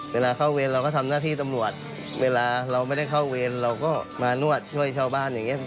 เวลาเข้าเวรเราก็ทำหน้าที่ตำรวจเวลาเราไม่ได้เข้าเวรเราก็มานวดช่วยชาวบ้านอย่างนี้